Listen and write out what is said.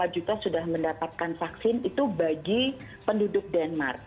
lima juta sudah mendapatkan vaksin itu bagi penduduk denmark